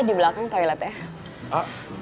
di belakang toilet ya